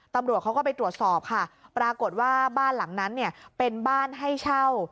ตำรวจเขาก็ไปตรวจสอบค่ะปรากฏว่าบ้านหลังนั้นเนี่ยเป็นบ้านให้เช่า